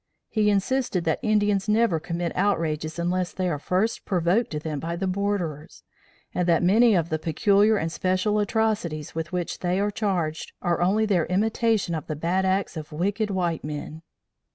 He insisted that Indians never commit outrages unless they are first provoked to them by the borderers, and that many of the peculiar and special atrocities with which they are charged are only their imitation of the bad acts of wicked white men.